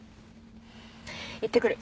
行ってくる。